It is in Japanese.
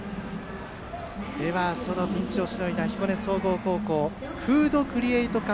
では、そのピンチをしのいだ彦根総合高校フードクリエイト科